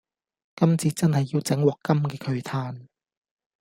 今次真係要整鑊金嘅佢嘆